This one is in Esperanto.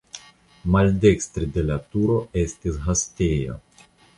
Maldekstre de la turo estis gastejo.